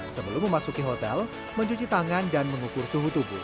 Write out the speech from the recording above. sebelum memasuki hotel mencuci tangan dan mengukur suhu tubuh